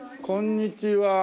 こんにちは。